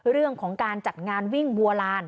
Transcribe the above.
เรื่องของการจัดงานวิ่งบัวลาน